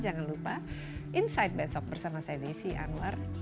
jangan lupa insight bensock bersama saya desy anwar